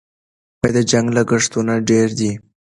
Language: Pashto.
د جنګ لګښتونه ډېر دي.